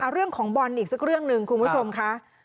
เรื่องของบอลอีกสักเรื่องหนึ่งคุณผู้ชมค่ะ